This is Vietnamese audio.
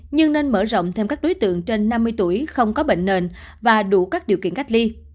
nhưng nên mở rộng thêm các đối tượng trên năm mươi tuổi không có bệnh nền và đủ các điều kiện cách ly